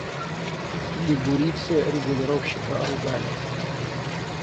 Лигурийцы регулировщика ругали.